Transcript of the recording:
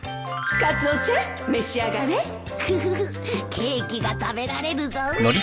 カツオちゃん召し上がれフフフケーキが食べられるぞ。